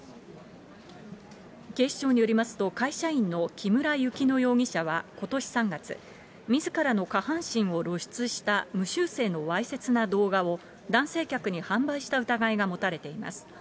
警視庁によりますと会社員の木村雪乃容疑者は、ことし３月、みずからの下半身を露出した無修正のわいせつな動画を、男性客に販売した疑いが持たれています。